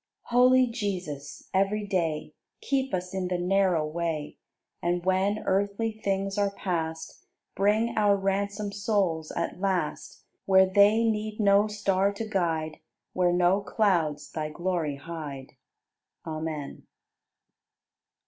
75. Holy Jesus, every day Keep us in the narrow way, And when earthly things are past, Bring our ransomed souls at last Where they need no star to guide. Where no clouds Thy glory hide. Amen.